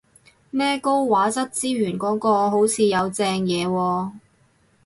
咩高畫質資源嗰個好似有正嘢喎